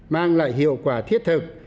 mang lại hiệu quả thiết thực